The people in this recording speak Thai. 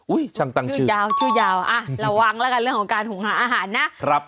ช่างตั้งชื่อยาวชื่อยาวอ่ะระวังแล้วกันเรื่องของการหุงหาอาหารนะครับ